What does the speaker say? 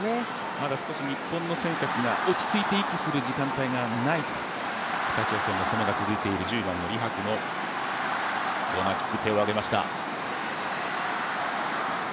まだ日本の選手たちが落ち着いて息する時間帯がないと北朝鮮の攻めが続いている１０番のリ・ハクのコーナーキック。